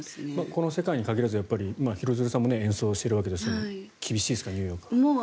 この世界に限らず廣津留さんも演奏しているわけですが厳しいですかニューヨーク。